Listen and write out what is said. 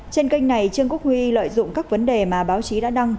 trên kênh này trương quốc huy lợi dụng các vấn đề mà báo chí đã đăng